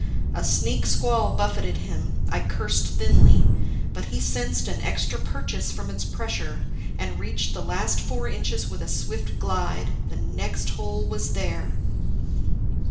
A sneak squall buffeted him. I cursed thinly. But he sensed an extra purchase from its pressure, and reached the last four inches with a swift glide. The next hole was there.